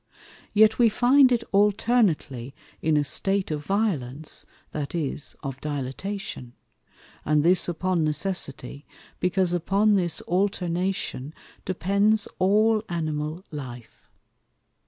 Yet we find it alternately in a State of Violence, that is, of Dilatation; and this upon necessity, because upon this Alternation depends all Animal Life.